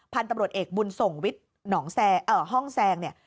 พันธุ์ตำรวจเอกบุญสงฆ์ห้องแซงเนี่ย